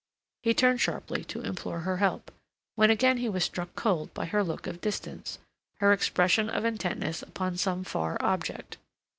He turned sharply to implore her help, when again he was struck cold by her look of distance, her expression of intentness upon some far object.